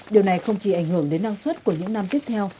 điều này không chỉ ảnh hưởng đến năng suất của những năm tiếp theo